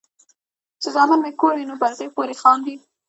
چې زامن مې کور وي نو پۀ هغې پورې خاندي ـ